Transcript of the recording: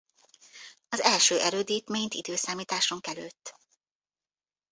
Az első erődítményt i.e.